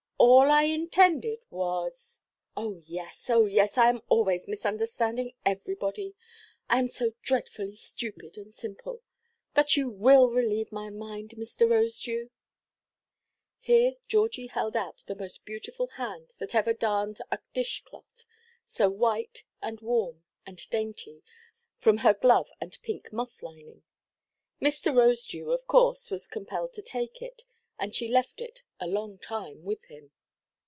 All I intended was——" "Oh yes, oh yes, I am always misunderstanding everybody. I am so dreadfully stupid and simple. But you will relieve my mind, Mr. Rosedew?" Here Georgie held out the most beautiful hand that ever darned a dish–cloth, so white, and warm, and dainty, from her glove and pink muff–lining. Mr. Rosedew, of course, was compelled to take it, and she left it a long time with him.